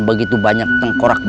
begitu banyak tengkorak jahat